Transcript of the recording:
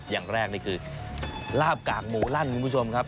อย่างแรกนี่คือลาบกากหมูลั่นคุณผู้ชมครับ